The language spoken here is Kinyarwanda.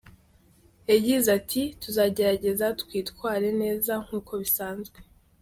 Yagize ati “Tuzagerageza twitware neza nk’uko bisanzwe.